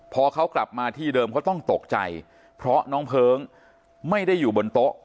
พอเขากลับมาที่เดิมเขาต้องตกใจเพราะน้องเพลิงไม่ได้อยู่บนโต๊ะ